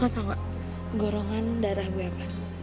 lo tau gak golongan darah gue apa